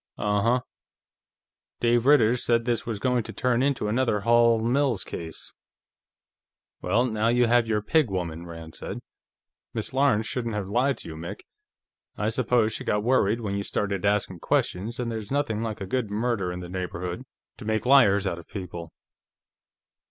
"Uh huh. Dave Ritter said this was going to turn into another Hall Mills case; well, now you have your Pig Woman," Rand said. "Miss Lawrence shouldn't have lied to you, Mick. I suppose she got worried when you started asking questions, and there's nothing like a good murder in the neighborhood to make liars out of people."